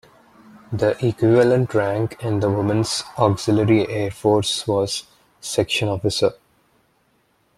The equivalent rank in the Women's Auxiliary Air Force was "section officer".